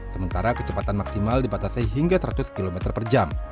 sementara kecepatan maksimal dibatasi hingga seratus km